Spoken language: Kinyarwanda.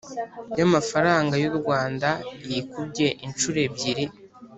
Y amafaranga y u rwanda yikubye inshuro ebyiri